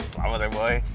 selamat ya boy